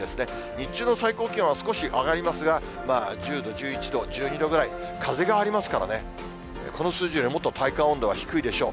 日中の最高気温は少し上がりますが、１０度、１１度、１２度ぐらい、風がありますからね、この数字よりももっと、体感温度は低いでしょう。